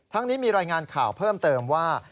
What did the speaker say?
นี้มีรายงานข่าวเพิ่มเติมว่า